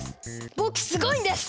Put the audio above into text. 僕すごいんです！